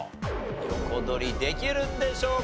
横取りできるんでしょうか？